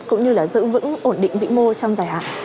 cũng như là giữ vững ổn định vĩ mô trong dài hạn